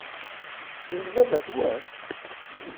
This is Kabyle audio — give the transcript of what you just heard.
Tettrem baba-twen?